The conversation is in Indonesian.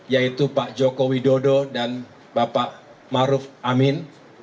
yaitu pak joko widodo dan bapak maruf amin